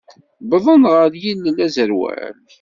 Wwḍent ɣer yilel aẓerwal.